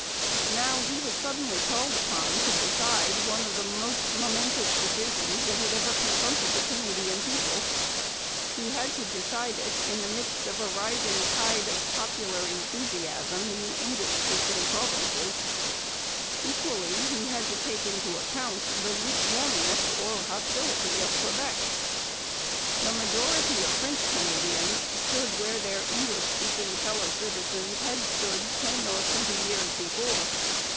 Now he was suddenly called upon to decide one of the most momentous issues that had ever confronted the Canadian people. He had to decide it in the midst of a rising tide of popular enthusiasm in the English speaking provinces. Equally he had to take into account the lukewarmness or hostility of Quebec. The majority of French Canadians stood where their English speaking fellow citizens had stood ten or twenty years before.